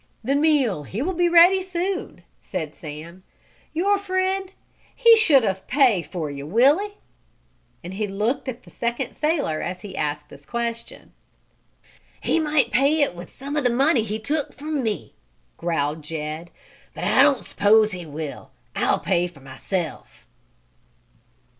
"The meal, he will be ready soon," said Sam. "Your friend, he should of pay for you; will he?" and he looked at the second sailor as he asked this question. "He might pay it with some of the money he took from me," growled Jed, "but I don't s'pose he will! I'll pay for myself!"